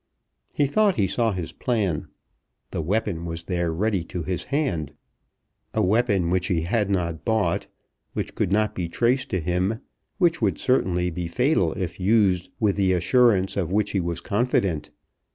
He thought he saw his plan. The weapon was there ready to his hand; a weapon which he had not bought, which could not be traced to him, which would certainly be fatal if used with the assurance of which he was confident.